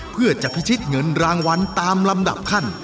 เพื่อจะพิชิตเงินรางวัลตามลำดับขั้น